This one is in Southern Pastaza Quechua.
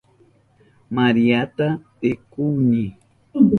Mariata rikuhuni.